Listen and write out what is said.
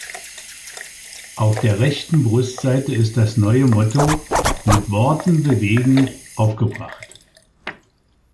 Auf der rechten Brustseite ist das neue Motto "Mit Worten bewegen" aufgebracht.